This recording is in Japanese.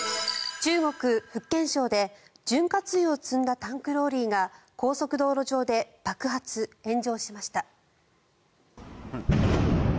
中国・福建省で潤滑油を積んだタンクローリーが高速道路上で爆発炎上しました。